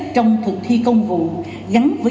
trong thực thi công vụ gắn với